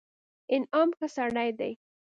انعام ښه سړى دئ.